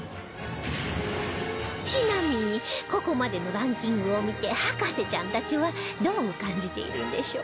ちなみにここまでのランキングを見て博士ちゃんたちはどう感じているんでしょう？